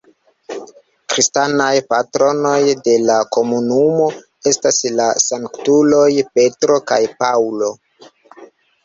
Kristanaj patronoj de la komunumo estas la sanktuloj Petro kaj Paŭlo.